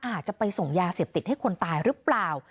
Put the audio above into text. อาจจะไปส่งยาเสพติดให้คนตายหรือเปล่า